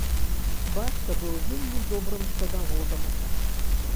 Бацька быў вельмі добрым садаводам.